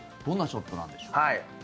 どんなショットなんでしょう。